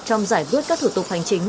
trong giải bước các thủ tục hành chính